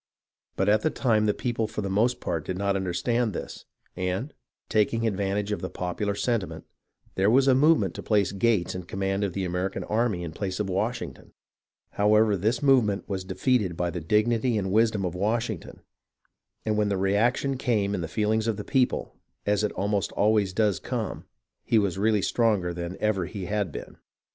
But at the time the people for the most part did not understand this, and, taking advantage of the popular sentiment, there was a movement to place Gates in command of the American army in place of Washington. However, this movement was defeated by the dignity and wisdom of Washington, and when the reaction came in the feelings of the people, as it almost always does come, he was really stronger than ever he had been.